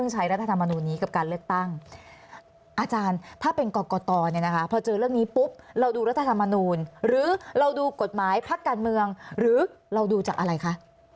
รัฐธรรมนูลนี้กับการเลือกตั้งอาจารย์ถ้าเป็นกรกตเนี่ยนะคะพอเจอเรื่องนี้ปุ๊บเราดูรัฐธรรมนูลหรือเราดูกฎหมายพักการเมืองหรือเราดูจากอะไรคะ